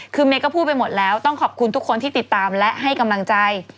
คือเมย์ก็พูดไปหมดแล้วต้องขอบคุณทุกคนที่ติดตามและให้กำลังใจ